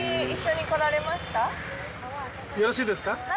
よろしいですか？